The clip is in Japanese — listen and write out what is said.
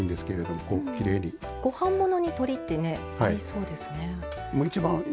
ご飯ものに鶏って合いそうですね。